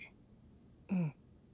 うん。